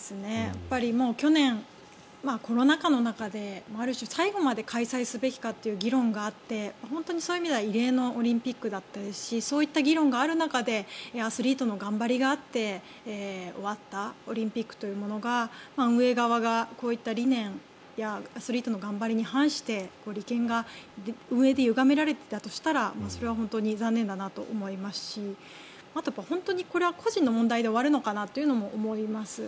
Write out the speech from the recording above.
やっぱり去年、コロナ禍の中である種、最後まで開催すべきかという議論があって本当にそういう意味では異例のオリンピックでしたしそういった議論がある中でアスリートの頑張りがあって終わったオリンピックというものが運営側がこういった理念やアスリートの頑張りに反して利権が運営でゆがめられていたとしたらそれは本当に残念だなと思いますしあとは本当にこれは個人の問題で終わるのかなというのも思います。